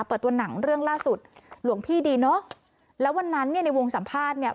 เปิดตัวหนังเรื่องล่าสุดหลวงพี่ดีเนอะแล้ววันนั้นเนี่ยในวงสัมภาษณ์เนี่ย